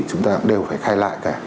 chúng ta cũng đều phải khai lại cả